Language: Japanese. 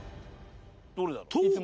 どれだろ？と。